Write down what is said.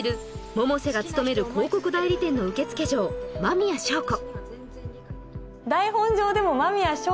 百瀬が勤める広告代理店の受付嬢麻宮祥子